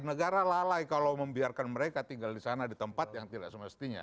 negara lalai kalau membiarkan mereka tinggal di sana di tempat yang tidak semestinya